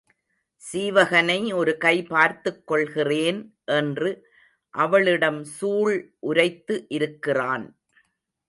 சீவகனை ஒரு கை பார்த்துக் கொள்கிறேன் என்று அவளிடம் சூள் உரைத்து இருக்கிறான்.